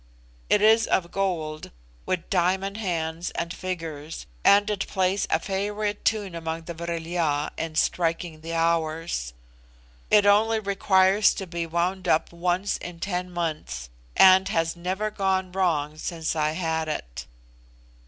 It is of gold, with diamond hands and figures, and it plays a favorite tune among the Vril ya in striking the hours: it only requires to be wound up once in ten months, and has never gone wrong since I had it.